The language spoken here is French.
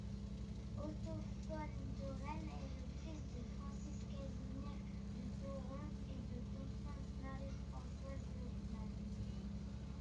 Otto von Thoren est le fils de Francis-Casimir de Thoron et de Constance-Marie-Françoise Lochmann.